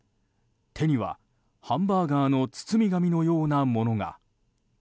手には、ハンバーガーの包み紙のようなものが。